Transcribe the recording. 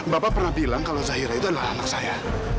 bapak pernah bilang kalau zahira itu adalah anak saya